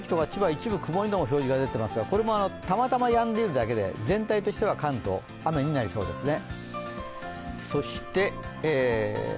一部曇りの表示が出ていますがこれもたまたまやんでいるだけで、全体としては関東、雨になりそうですね。